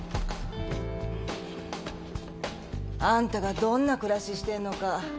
あんたがどんな暮らししてんのか